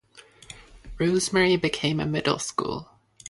Rosemary became a middle school.